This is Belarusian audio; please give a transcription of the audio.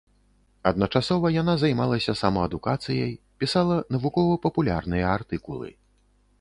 Адначасова яна займалася самаадукацыяй, пісала навукова-папулярныя артыкулы.